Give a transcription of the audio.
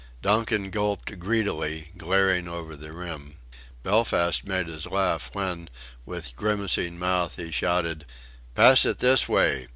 Donkin gulped greedily, glaring over the rim. Belfast made us laugh when with grimacing mouth he shouted: "Pass it this way.